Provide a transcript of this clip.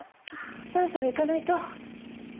そろそろ行かないと。